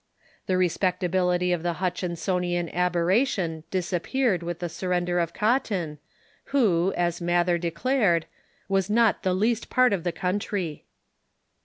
The respecta bility of the Hutchinsonian aberration disappeared with the surrender of Cotton, who, as Mather declared, " was not the least part of the country."